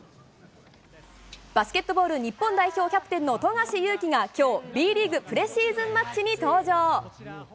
バスケットボール日本代表キャプテンの富樫勇樹がきょうＢリーグ・プレシーズンマッチに登場。